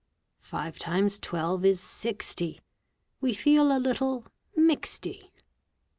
Five times twelve is sixty. We feel a little mixed y.